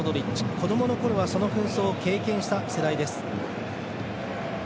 子供のころはその紛争を経験した世代です。